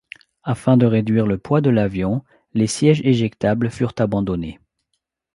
Afin de réduire le poids de l’avion, les sièges éjectables furent abandonnés.